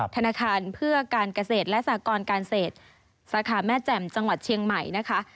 ธนาคารเพื่อการเกษตรและสากรการเศษสาขาแม่แจ่มจังหวัดเชียงใหม่นะคะ